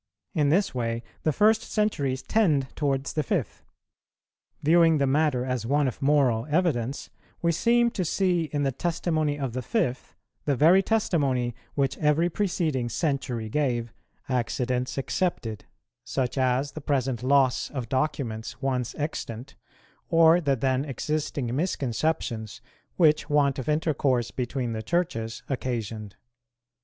In this way the first centuries tend towards the fifth. Viewing the matter as one of moral evidence, we seem to see in the testimony of the fifth the very testimony which every preceding century gave, accidents excepted, such as the present loss of documents once extant, or the then existing misconceptions which want of intercourse between the Churches occasioned.